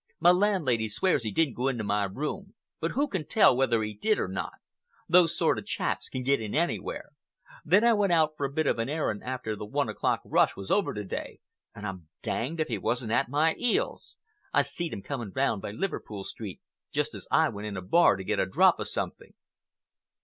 My landlady swears he didn't go into my room, but who can tell whether he did or not? Those sort of chaps can get in anywhere. Then I went out for a bit of an airing after the one o'clock rush was over to day, and I'm danged if he wasn't at my 'eels. I seed him coming round by Liverpool Street just as I went in a bar to get a drop of something."